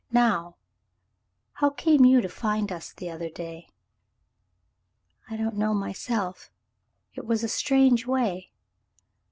Now, how came you to find us the other day?" "I don't know myself. It was a strange way.